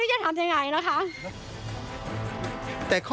ไม่ได้ช่วยมันกรงศรี